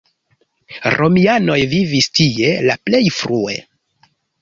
Romianoj vivis tie la plej frue.